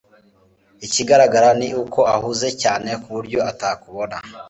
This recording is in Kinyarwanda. Ikigaragara ni uko ahuze cyane ku buryo atakubona